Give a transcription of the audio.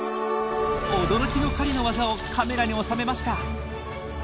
驚きの狩りの技をカメラに収めました。